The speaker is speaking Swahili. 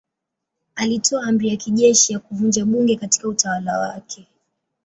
Alitoa amri ya kijeshi ya kuvunja bunge katika utawala wake.